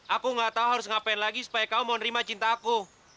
aku nggak tahu harus ngapain lagi supaya kau mau nerima cinta aku